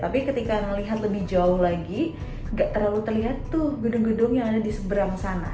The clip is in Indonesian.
tapi ketika melihat lebih jauh lagi gak terlalu terlihat tuh gedung gedung yang ada di seberang sana